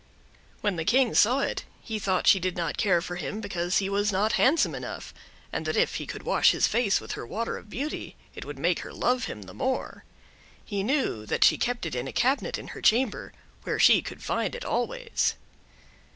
When the King saw it, he thought she did not care for him because he was not handsome enough; and that if he could wash his face with her water of beauty, it would make her love him the more. He knew that she kept it in a cabinet in her chamber, where she could find it always.